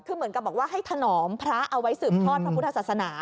คือเหมือนกับบอกว่าให้ถนอมพระเอาไว้สืบทอดพระพุทธศาสนา